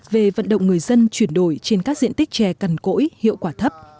về vận động người dân chuyển đổi trên các diện tích chè cằn cỗi hiệu quả thấp